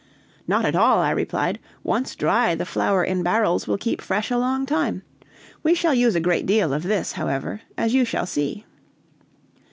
"Not at all," I replied; "once dry, the flour in barrels will keep fresh a long time. We shall use a great deal of this, however, as you shall see."